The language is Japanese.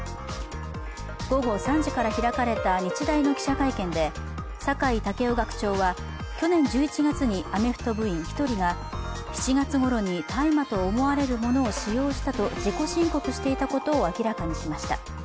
午後３時から開かれた日大の記者会見で酒井健夫学長は去年１１月にアメフト部員１人が７月ごろに大麻と思われるものを使用したと自己申告していたことを明らかにしました。